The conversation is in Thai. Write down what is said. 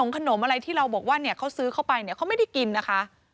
ขนมอะไรที่เราบอกว่าเนี่ยเขาซื้อเข้าไปเนี่ยเขาไม่ได้กินนะคะ